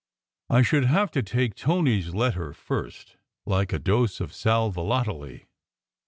I should have to take Tony s letter first, like a dose of sal volatile.